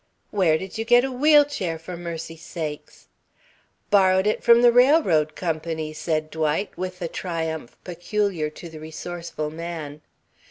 "Where did you get a wheel chair, for mercy sakes?" "Borrowed it from the railroad company," said Dwight, with the triumph peculiar to the resourceful man.